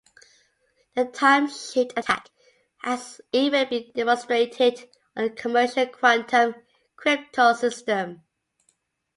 The time-shift attack has even been demonstrated on a commercial quantum cryptosystem.